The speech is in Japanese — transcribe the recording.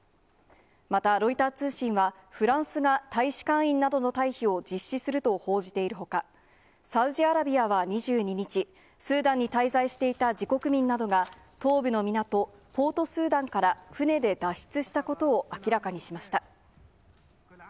また、ロイター通信は、フランスが大使館員などの退避を実施すると報じているほか、サウジアラビアは２２日、スーダンに滞在していた自国民などが、東部の港、ポートスーダンから船で脱出したことを明らかにしました。